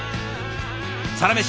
「サラメシ」